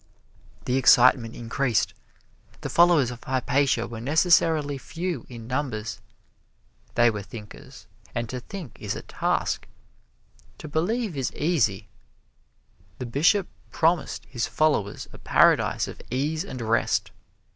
The excitement increased. The followers of Hypatia were necessarily few in numbers. They were thinkers and to think is a task. To believe is easy. The Bishop promised his followers a paradise of ease and rest.